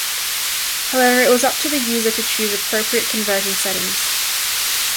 However, it was up to the user to choose appropriate conversion settings.